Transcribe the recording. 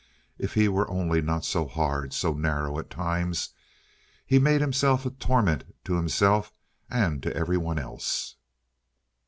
If he were only not so hard, so narrow at times. He made himself a torment to himself and to every one else.